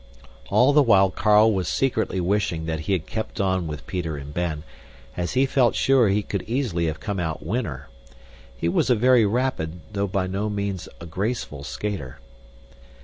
All the while Carl was secretly wishing that he had kept on with Peter and Ben, as he felt sure he could easily have come out winner. He was a very rapid, though by no means a graceful, skater.